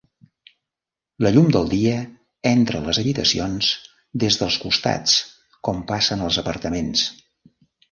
La llum del dia entra a les habitacions des dels costats, com passa en els apartaments.